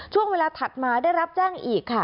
ช่วงเวลาผดมาได้รับแจ้งอีกค่ะ